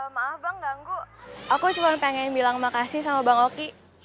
maaf bang ganggu aku cuma pengen bilang makasih sama bang oki